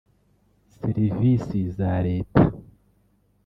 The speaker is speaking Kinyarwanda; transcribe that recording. Serivisi za Leta